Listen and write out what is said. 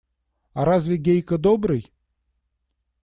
А разве Гейка добрый?